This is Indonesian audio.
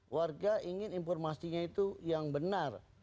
warga ingin informasinya itu yang benar